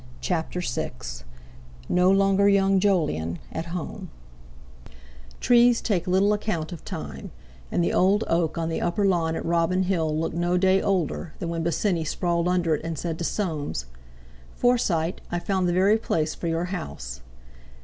CHAPTER VI NO LONGER YOUNG JOLYON AT HOME Trees take little account of time, and the old oak on the upper lawn at Robin Hill looked no day older than when Bosinney sprawled under it and said to Soames: "Forsyte, I've found the very place for your house."